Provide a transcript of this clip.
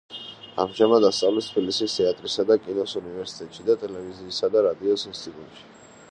ამჟამად ასწავლის თბილისის თეატრისა და კინოს უნივერსიტეტში და ტელევიზიისა და რადიოს ინსტიტუტში.